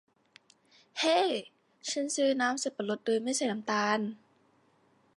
เฮ้ฉันซื้อน้ำสับปะรดโดยไม่ใส่น้ำตาล